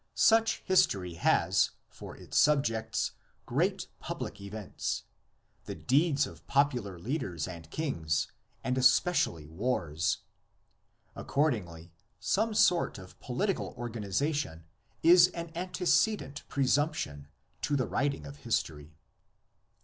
Such history has for its subjects great 2 THE LEGENDS OF GENESIS. public events, the deeds of popular leaders and kings, and especially wars. Accordingly some sort of political organisation is an antecedent presump tion to the writing of history.